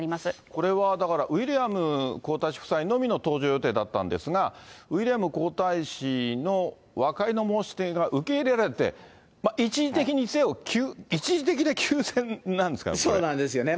これはウィリアム皇太子夫妻のみの登場予定だったんですが、ウィリアム皇太子の和解の申し出が受け入れられて、一時的にせよ、そうなんですよね。